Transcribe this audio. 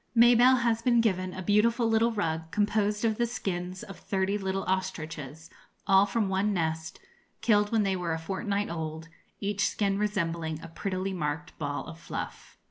Mabelle has been given a beautiful little rug composed of the skins of thirty little ostriches, all from one nest, killed when they were a fortnight old, each skin resembling a prettily marked ball of fluff.